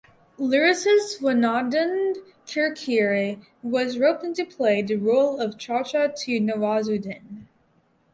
Lyricist Swanand Kirkire was roped into play the role of chacha to Nawazuddin.